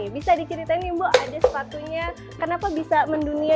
bisa diceritain nih mbak ada sepatunya kenapa bisa mendunia